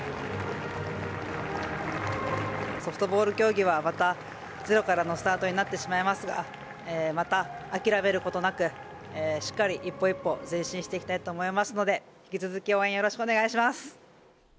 ソフトボール競技は、またゼロからのスタートになってしまいますが、また諦めることなく、しっかり一歩一歩前進していきたいと思いま